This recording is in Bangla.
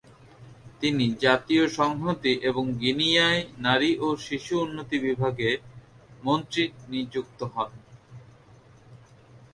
তিনি জাতীয় সংহতি এবং গিনিয়ায় নারী ও শিশুর উন্নতি বিভাগের মন্ত্রী নিযুক্ত হন।